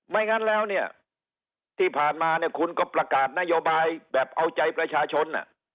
งั้นแล้วเนี่ยที่ผ่านมาเนี่ยคุณก็ประกาศนโยบายแบบเอาใจประชาชน